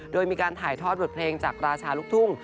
โดยมีการถ่ายทอดบทเพลงจากราชาลูกทุ่ง